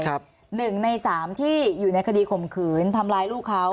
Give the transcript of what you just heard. หนึ่งในสามที่อยู่ในคดีข่มขืนทำร้ายลูกเขา